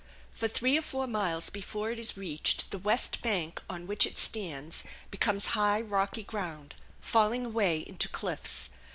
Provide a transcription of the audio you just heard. For three or four miles before it is reached the west bank, on which it stands, becomes high rocky ground, falling away into cliffs.